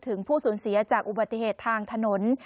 ผู้สูญเสียจากอุบัติเหตุทางถนน